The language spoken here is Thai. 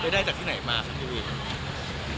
ได้จากที่ไหนมาครับที่อื่น